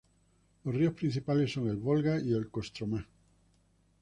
Los ríos principales son el Volga y el Kostromá.